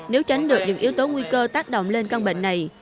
nếu tránh được những yếu tố nguy cơ tác động lên căn bệnh này